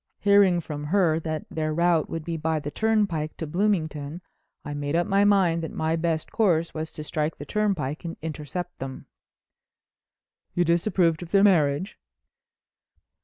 Hearing from her that their route would be by the turnpike to Bloomington I made up my mind that my best course was to strike the turnpike and intercept them." "You disapproved of their marriage?"